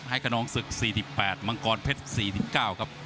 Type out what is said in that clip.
ขนองศึก๔๘มังกรเพชร๔๙ครับ